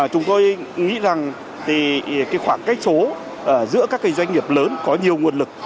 chúng tôi nghĩ rằng khoảng cách số giữa các doanh nghiệp lớn có nhiều nguồn lực